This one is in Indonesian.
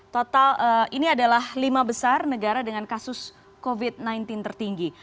total ini adalah lima besar negara dengan kasus covid sembilan belas tertinggi